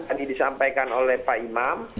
tadi disampaikan oleh pak imam